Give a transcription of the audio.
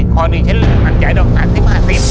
กรหนึ่งชื่นหนึ่งมันใจต่อส่าห์๑๕เส้น